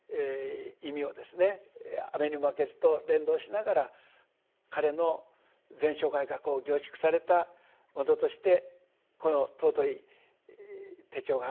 雨ニモマケズ」と連動しながら彼の全生涯が凝縮されたものとしてこの尊い手帳があるんだなと。